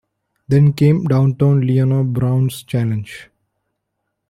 Then came Downtown Leona Brown's challenge.